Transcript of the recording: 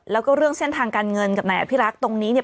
แล้วก็เรื่องเส้นทางการเงินกับนายอภิรักษ์ตรงนี้เนี่ย